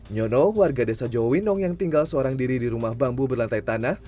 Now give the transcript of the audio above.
nyono warga desa jowinong yang tinggal seorang diri di rumah bambu berlantai tanah